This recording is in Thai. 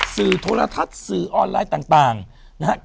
สื่อโทรทัศน์สื่อออนไลน์ต่างนะครับ